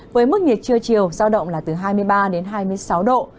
với mức nhiệt trưa chiều giao động là từ hai mươi ba đến hai mươi sáu độ